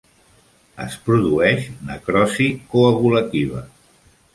Es produeix necrosi coagulativa.